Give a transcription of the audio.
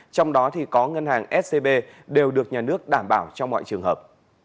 trong đó có ngân hàng scb đều được nhà nước đảm bảo trong mọi trường hợp